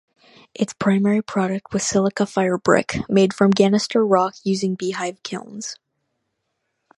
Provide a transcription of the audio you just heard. Its primary product was silica fire brick made from ganister rock, using beehive kilns.